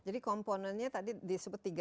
jadi komponennya tadi di sebut rp tiga juta ya